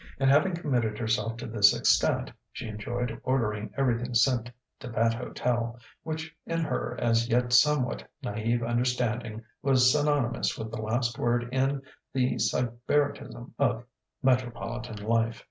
And having committed herself to this extent, she enjoyed ordering everything sent to that hotel, which in her as yet somewhat naïve understanding was synonymous with the last word in the sybaritism of metropolitan life.